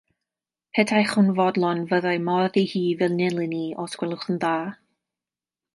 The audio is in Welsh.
Petaech yn fodlon, fyddai modd i chi fy nilyn i, os gwelwch yn dda?